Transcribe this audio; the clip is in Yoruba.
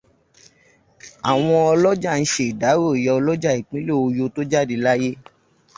Àwọn ọlọ́jà ń sèdárò Ìyálọ́jà ìpínlẹ̀ Oyo tó jáde láyé.